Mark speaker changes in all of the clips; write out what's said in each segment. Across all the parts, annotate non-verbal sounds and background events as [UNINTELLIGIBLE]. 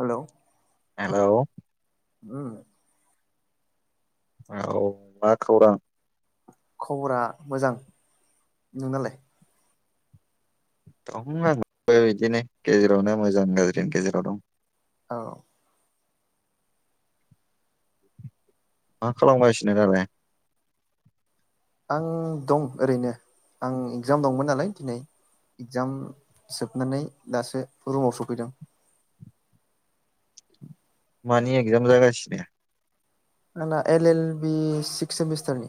Speaker 1: हेल'
Speaker 2: hello
Speaker 1: ओम
Speaker 2: औ मा खौरां
Speaker 1: खबरा मोजां नोंनालाय?
Speaker 2: दं आबो बिदिनो गेजेरावनो मोजां गाज्रि गेजेराव दं
Speaker 1: औ
Speaker 2: मा खालामगासिनो दालाय?
Speaker 1: आं दं ओरैनो आं इगजाम दंमोन नालाय दिनै इगजाम जोबनानै दासो रुमाव सफैदों।
Speaker 2: मानि एगजाम जागासिनो?
Speaker 1: आंना एल एल बि सिक्स सेमिस्टारनि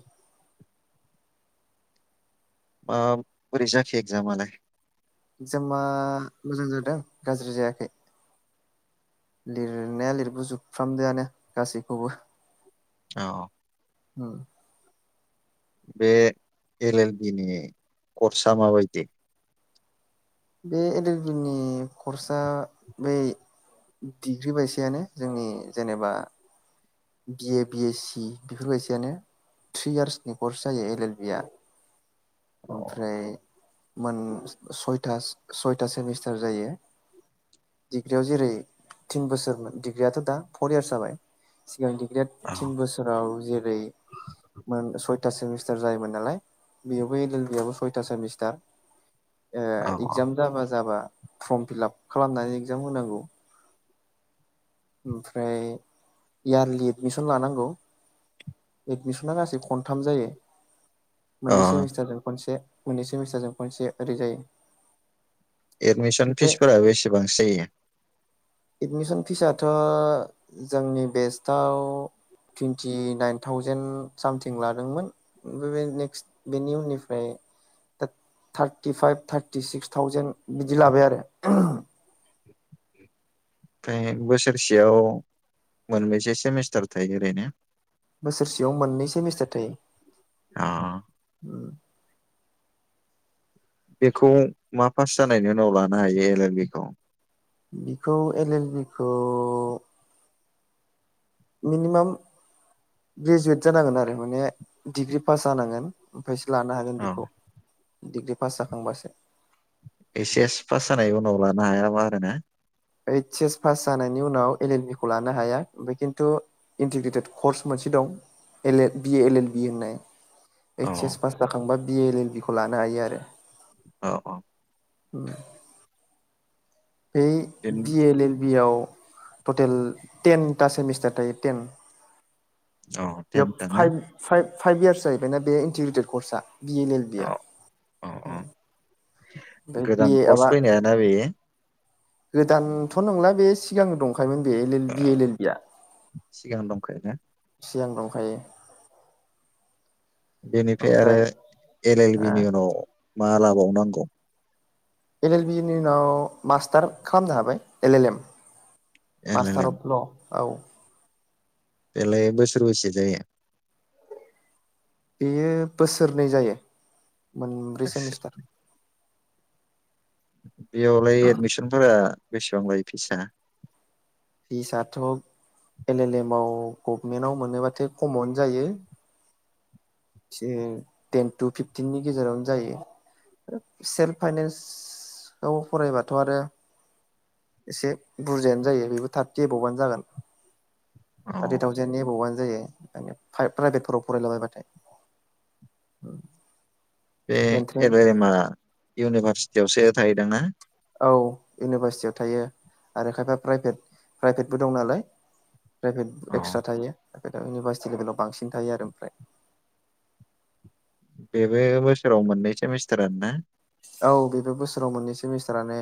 Speaker 2: मा बैरै जाखो एक्जामालाय?
Speaker 1: एक्जामा मोजां जादों गाज्रि जायाखै लिरनाया लिरबोजोबफ्रामदोंयानो गासैखौबो।
Speaker 2: औ
Speaker 1: औ
Speaker 2: बे एल एल बि नि कर्साआ माबायदि?
Speaker 1: बे ए एल बि नि कर्सआ बै डिग्रि बायसयानो जोंनि जेनेबा बिए बिएस सि बेफोरबायदियानो थ्रि इयार्सनि कर्स जायो एल एल बि आ
Speaker 2: अ औ
Speaker 1: ओमफ्राय मोन सयथा सयथा सेमिस्टार जायो डिग्रियाव जेरै तिन बोसोरमोन डिग्रियाथ' दा फर इयार्स जाबाय सिगांनि गिदेर थिन
Speaker 2: औ
Speaker 1: बोसोराव जेर ओरै मोन सयथा सेमिस्टार जायोमोन नालाय बेयावबो एल एल बि आबो सयथा सेमिस्टार ओ
Speaker 2: औ
Speaker 1: एक्जाम जाबा जाबा फर्म फिलाप खालामनानै एगजाम होनांगौ। ओमफ्राय इयारलि एडमिसन लानांगौ एडमिसना गासै खनथाम जायो। मोननै
Speaker 2: अ
Speaker 1: सेमिस्टारजों खनसे। मोननै सेमिस्तारजों खनसे ओरै जायो।
Speaker 2: एडमिसन
Speaker 1: ओमफ्राय
Speaker 2: फिसफोरा बेसेबांसो जायो?
Speaker 1: एडमिसन फिसाथ' जोंनि बेस्टआव तुइन्तिनाइन थावजेन सामथिं लादोंमोन ओमफ्राय बे नेक्स्ट बेनि उननिफ्राय दा थारटिफाइभ थार्टि सिक्स थावजेेन बिदि लाबाय आरो।
Speaker 2: फ्राय बोसोरसेयाव मोनबेैसे सेमिस्टार थायो ओरैनो?
Speaker 1: बोसोरसेयाव मोननै सेमिस्टार
Speaker 2: अ
Speaker 1: थायो।
Speaker 2: बेखौ मा पास जानायनि उनाव लानो हायो एल एल बि खौ?
Speaker 1: बिखौ एल एल बि खौ मिनिमाम ग्रेजुवेट जानांगोन आरो माने डिग्रि पास जानांगोन। ओमफ्रायसो लानो हागोन
Speaker 2: औ
Speaker 1: बेखौ। डिग्रि पास जाखांबासो।
Speaker 2: ओस एस पास जानाय उनाव लानो हायाबा आरोना?
Speaker 1: ऐइस एस पास जानायनि उनाव एल एल बि खौ लानो हाया ओमफ्राय खिन्थु इन्टिग्रेटेड कर्स मोनसे दं L L B A L L B होननाय। ऐइस
Speaker 2: औ
Speaker 1: एस पास जाखांबा बि एल एल बि खौ लानो हायो आरो।
Speaker 2: औ औ
Speaker 1: उम बै
Speaker 2: ten
Speaker 1: B L L B आव। ततेल तेनथा सेमिस्टार थायो तेन
Speaker 2: अ
Speaker 1: बे
Speaker 2: टेनथा ना?
Speaker 1: फाइब फाइब फाइभ इयार्स जायैबायना बे इन्टिग्रेटेत कर्सा। बि एल एल
Speaker 2: अ
Speaker 1: बिया
Speaker 2: अ अ।
Speaker 1: ओम ओमफाय
Speaker 2: गोदान
Speaker 1: बिए
Speaker 2: कर्स
Speaker 1: आबा
Speaker 2: फैनायाना बेयो
Speaker 1: गोदानथ' नंला बे सिगां दं। खायोमोन बे L L B L L B आ।
Speaker 2: सिगां दंखायोना
Speaker 1: यां दंखायो।
Speaker 2: बेनिफ्राय आरो
Speaker 1: ओमफ्राय
Speaker 2: एल एल बि
Speaker 1: हा
Speaker 2: नि उनाव मा लाबावनांगौ?
Speaker 1: एल एल बि नि उनाव मास्टार खामनो हाबाय। L L M.
Speaker 2: L L
Speaker 1: master
Speaker 2: M
Speaker 1: अब ल। औ।
Speaker 2: बेलाय बोसोर बेसे जायो?
Speaker 1: बेयो बोसोरनै जायो। मोनब्रै सेमिस्टार।
Speaker 2: [INAUDIBLE] बेयावलाय एडमिसनफोरा बेसेबां लायो फिस आ?
Speaker 1: फिसाथ' एल एलएम आव गभमेन्टाव मोनोब्लाथाय खमावनो जायो। थिन टेन टु फिफटिननि गेजेरावनो जायो सेल्फ फाइनेन्सआव फरायबाथ आरो एसे बुरजायानो जायो बेबो थार्टि एबबआनो जागोन। थारटि
Speaker 2: औ
Speaker 1: थावजेन नि एबाब आन जायो फाइ प्राइभेटफोराव फरायलाबायबाथाय उम।
Speaker 2: बे एबेरेमा इउनिभार्सि जौसेया थायोदां ना?
Speaker 1: औ इउनिभारसिटियाव थायो आरो खायफा प्राइभेट प्राइभेटबो दं नालाय। प्राइभेट
Speaker 2: औ
Speaker 1: एक्सट्रा थायो। ओ इउनिभारसिटि लेभेलाव बांसिन थायो आरो ओमफ्राय।
Speaker 2: बेबो बोसोराव मोननै सेमिस्टारानो ना?
Speaker 1: औ बेबो बोसोराव मोननै सेमिस्टारानो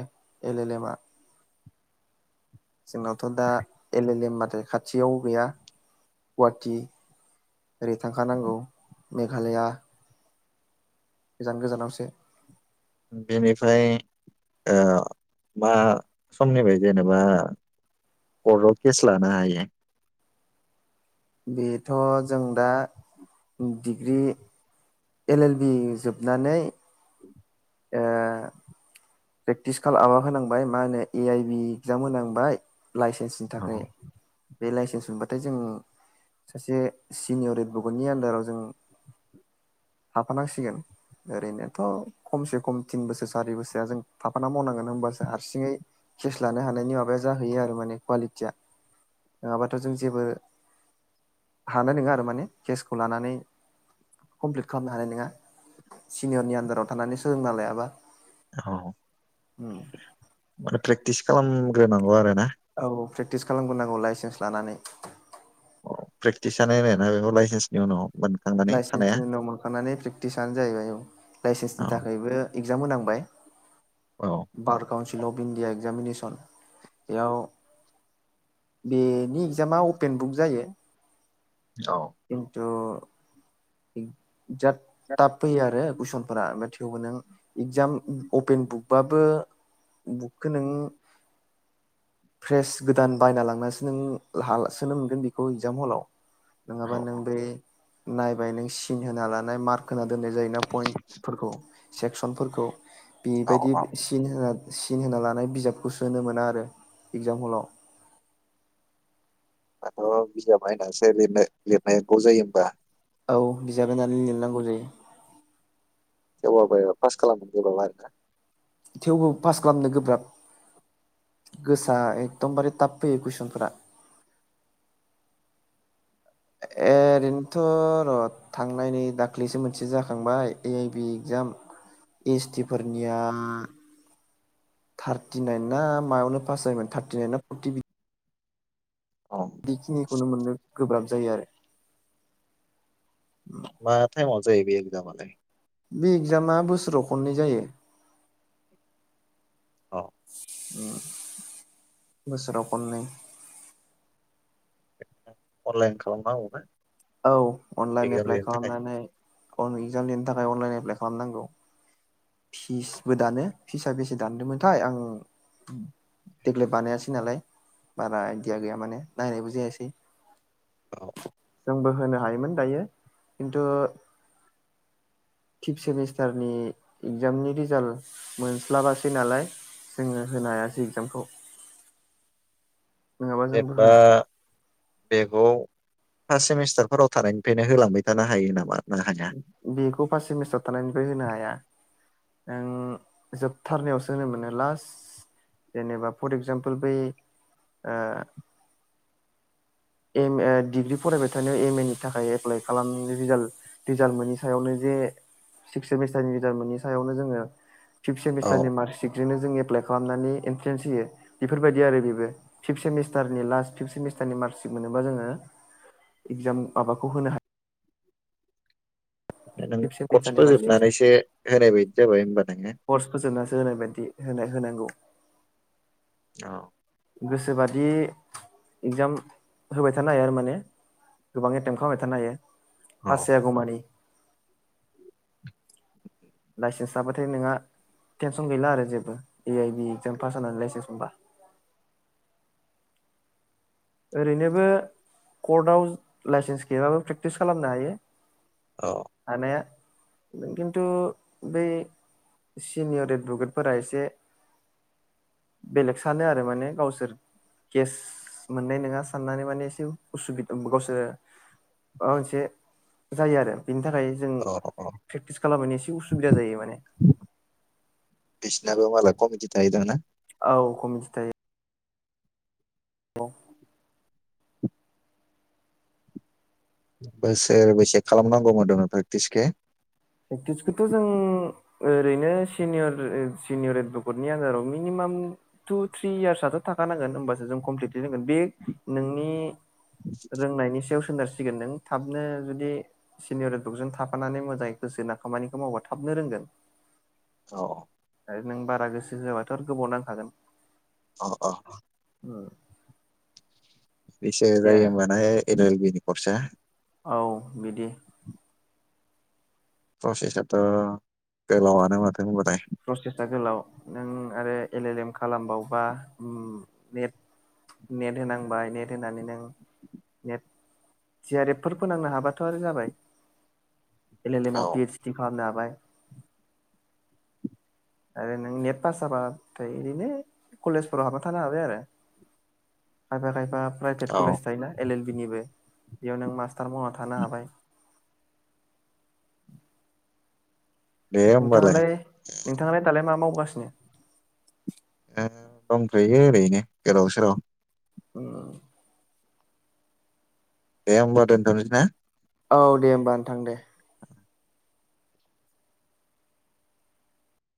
Speaker 1: एल एल एम आ। जोंनावथ दा एल एल एम माथ खाथियावबो गैया गुवाहाटि ओरै थांखानांगौ मेघालया। गोजान गोजानावसो।
Speaker 2: बेनिफ्राय मा ओ समनिफ्राय जेनेबा कर्टआव केस लानो हायो।
Speaker 1: बेथ जों दा डिग्रि एल एल बि जोबनानै ओ प्रेकटिस खालामाबा होनांबाय मा होनो ए आइ बि एक्जाम होनांबाय। लाइसेन्सनि
Speaker 2: औ
Speaker 1: थाखै। बे लाइसेन्स मोनबाथाय जों सासे सिनियर एडबकेदनि आन्दाराव जों हाफानांसिगोन ओरैनोथ खमसे खम थिन बोसोर सारि बोसोरा जों थाफाना मावनांगोन होनबासो हारसिङै केस लानो हानायनि माबाया जाहैयो आरो माने कुवालिटिया नङाबाथ' जों जेबो हानाय नङा आरो माने केसखौ लानानै कमप्लिट खालामनो हानाय नङा सिनियरनि आन्दाराव थानानै सोलोंना लायाबा।
Speaker 2: औ
Speaker 1: हम
Speaker 2: प्रेकटिस खालामग्रोनांगौ आरो ना?
Speaker 1: औ प्रेक्टिस खालामग्रोनांगौ लाइसेन्स लानानै।
Speaker 2: [UNINTELLIGIBLE] बेखौ लाइसेन्सनि उनाव। मोनखांनानै थानाया
Speaker 1: लाइसेन्सनि उनाव मोनखांनानै प्रेकटिस आनो जाहैबाय औ
Speaker 2: औ
Speaker 1: लाइसेन्सनि थाखायबो एग्जाम होनांबाय।
Speaker 2: औ
Speaker 1: बार कउनसिल अफ इणडिया एग्जाम मेनेसोन। बेयाव बेनि इक्जामा अपेन बुक जायो।
Speaker 2: औ
Speaker 1: खिन्थु जाद थाब फैयो आरो गुइसनफोरा थेवबो नों एगजाम अपेन बुकबाबो बुकखौ नों फ्रेस गोदान बायना लांनासो नों लाहा सोनो मोनगोन बेखौ इगजाम हलाव नङाबा
Speaker 2: औ
Speaker 1: नों बे नायबाय नों सिन होना लानाय मार्क होना दोननाय जायोना पइन्टफोरखौ सेक्सनफोरखौ
Speaker 2: औ
Speaker 1: बेबायदि सिन होना सिन होना लानाय बिजाबखौ सोनो मोना आरो एगजाम हलाव
Speaker 2: दाथ' बिजाब बायनासो लिरनो लिरनांगौ जायो होमबा
Speaker 1: औ बिजाब नायनानै लिरनांगौ जायो।
Speaker 2: थेवबाबो पास [UNINTELLIGIBLE]
Speaker 1: थेवबो पास खालामनो गोब्राब गोसा एखदमबारे टाफ फैयो कुइसनफोरा एरैनोथ' र' थांनायनि दाख्लैसो मोनसे जाखांबाय A I B exam S T फोरनिया थार्टिनाइन ना मायावनो पास जायोमोन थारटिनाइन ना फर्टि बिद
Speaker 2: औ
Speaker 1: बेखिनिखौनो मोननो गोब्राब जायो आरो।
Speaker 2: मा टाइमआव जायो बे एगजामालाय?
Speaker 1: बे एगजामा बोसोराव खननै जायो।
Speaker 2: औ
Speaker 1: बोसोराव खननै
Speaker 2: अनलाइन खालामनांगौ ना?
Speaker 1: औ अनलाइन एप्लाइ खालामनानै इगजाम लिरनो थाखाय अनलाइन प्लाइ खालामनांगौ। फिसबो दानो फिस बेसे दानदोंमोनथाय आं देग्लाय बानायासै नालाय बारा आइडिया गैया माने नायनायबो जायासै।
Speaker 2: औ
Speaker 1: जोंबो होनो हायोमोन दायो खिन्थु फिफ्थ सेमिस्टारनि इगजामनि रिजाल्ट मोनस्लाबासै नालाय जोङो होनो हायासै इगजामखौ नङाबा
Speaker 2: जे
Speaker 1: जोंबो
Speaker 2: बा
Speaker 1: होना
Speaker 2: बेखौ फास्ट सेमिस्टारफोराव थानायनिफ्रायनो होलांबाय थानो हायो नामा? ना हाया
Speaker 1: बेखौ फास्ट सेमिस्टार थानायनिफ्राय होनो हाया? आं जोबथारनायावसो होनो मोनो लास्ट जेनेबा फर एक्जामपोल बै ओ एम ए डिग्रि फरायबाय थानायाव एम ए नि थाखाय एप्लाइ खालाम रिजाल्ट रिजाल्ट मोननि सायावनो जे सिक्स सेमिस्टारनि रिजाल्ट मोनि सायावनो जोङो फिफ्थ
Speaker 2: औ
Speaker 1: सेमिस्थारनि मार्चिकजोंनो जों एप प्लाइ खालामनानै एन्ट्रेन्स होयो बेफोरबायदि आरो बेबो फिफ्थ सेमिस्टारनि लास्ट फिफ्थ सेमिस्टारनि मार्चि मोनोबा जोङो इगजाम माबाखौ होनो हा
Speaker 2: नों
Speaker 1: फिफ्थ
Speaker 2: कर्स
Speaker 1: सेमिस्टारनि मार्कसिटजों
Speaker 2: फोजोबनानैसो होनायबायदि जाबाय ओम
Speaker 1: कर्स फोजोबनासो होनायबायदि। होनाय होनांगौ।
Speaker 2: औ
Speaker 1: गोसोबादि इगजाम होबाय थानो हायो आरो माने गोबां एटेम्प खालामबाय थानो हायो।
Speaker 2: औ
Speaker 1: पास जायागमानि लाइसेन्स लाबाथाय नोंहा टेनसन गैला आरो जेबो A I B exam pass जानानै लाइसेन्स मोनबा। ओरैनोबो कर्टआव लाइसेन्स गैयबाबो प्रेक्टिस खालामनो हायो।
Speaker 2: औ
Speaker 1: हानाया किन्तु बै सिनियर एदभकेटफोरा एसे बेलेग सानो आरो माने गावसोर केेस मोननाय नङा साननानै माने एसे उसुबिदा गावसोर माबा मोनसे जायो आरो बेनि थाखाय जों
Speaker 2: अ अ
Speaker 1: प्रेक्टिस खालामनायनि एसे उसुबिदा जायो माने
Speaker 2: बिसिनाबो मालाय कमिटि थायो दाना
Speaker 1: औ कमिटि थायो।
Speaker 2: बोसोरबो सेक खालामनांगौमोन होनदों प्रेक्टिसखो
Speaker 1: फ्रेकटिसखौथ जों ओरैनो सिनियर सिनियर एदभकेटनि आनदाराव मिनिमाम टु थ्रि यार्सआथ थाख नांगोन ओमबासो जों कमप्लिटलि रोंगोन बे नोंनि रोंनायनि सायावस सोनारसिगोन नों थाबनो जुदि सिनियर एदभकेटजों थाफानानै मोजां गोसो होना खामानिखौ मावबा थाबनो रोंगोन।
Speaker 2: औ
Speaker 1: आरो नों बारा गोसो होआाबाथ आरो गोबाव नांखागोन।
Speaker 2: अ अ
Speaker 1: ओ
Speaker 2: बेसे जायोमोन आय एनुवेल बेनि [UNINTELLIGIBLE]
Speaker 1: औ बिदि
Speaker 2: प्रसेसआथ गोलावआनोमोन।
Speaker 1: प्रसेसा गोलाव नों आरो एल एल एम खालामबावबा नेट नेट होनांबाय नेट होनानै नों नेट जि आर एफ फोर फोनांनो हाबाथ आरो जाबाय। एल एल इम
Speaker 2: औ
Speaker 1: आव पि एदस डि खालामनो हाबाय। आरो नों नेट पास जाबाथाय बिरैनो कलेजफोराव हाबा थानो हाबाय आरो खायफा खायफा प्राइभेट
Speaker 2: औ
Speaker 1: कलेज थायो ना एल एल बिनिबो बेयाव नों मास मासथार मावना थानो हाबाय
Speaker 2: दे होमबालाय
Speaker 1: नोंथाङालाय नोंथाङालाय दालाय मा मावो बासनो
Speaker 2: दंथयो ओरैनो गोदाव सोराव
Speaker 1: ओ
Speaker 2: दे होनबा दोनथदो ना
Speaker 1: औ दे होमबा नोंथां दे